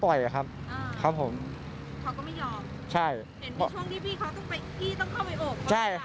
โปรดติดตามต่อไป